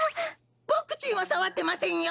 ボクちんはさわってませんよ。